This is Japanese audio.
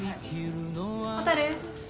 蛍。